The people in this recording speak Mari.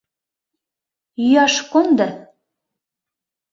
Йӱаш кондо...